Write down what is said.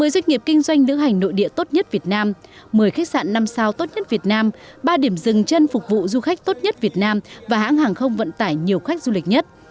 một mươi doanh nghiệp kinh doanh lữ hành nội địa tốt nhất việt nam một mươi khách sạn năm sao tốt nhất việt nam ba điểm rừng chân phục vụ du khách tốt nhất việt nam và hãng hàng không vận tải nhiều khách du lịch nhất